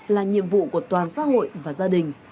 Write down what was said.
là nhiệm vụ của toàn xã hội và gia đình